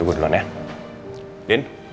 udah selesai din